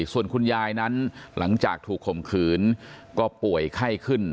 ส่วนคุณยายนั้นหลังจากถูกข่มขืนก็ป่วยไข้ขึ้น